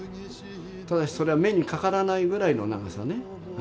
ただしそれは目にかからないぐらいの長さね。